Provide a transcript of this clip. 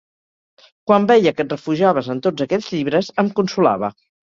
Quan veia que et refugiaves en tots aquells llibres em consolava.